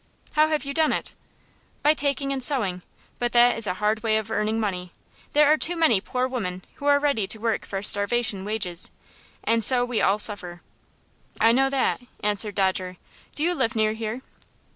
"How have you done it?" "By taking in sewing. But that is a hard way of earning money. There are too many poor women who are ready to work for starvation wages, and so we all suffer." "I know that," answered Dodger. "Do you live near here?"